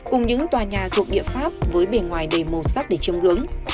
cùng những tòa nhà thuộc địa pháp với bề ngoài đầy màu sắc để chiêm ngưỡng